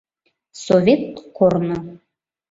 СОВЕТ КОРНО